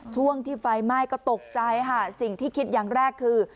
ช่วงที่ไฟไหม้ก็ตกใจค่ะสิ่งที่คิดอย่างแรกคือ